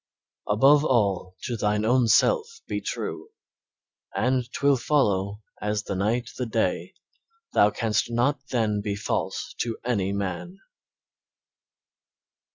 "Above all, to thine own self be true, And 'twill follow as the night the day, Thou canst not then be false to any man."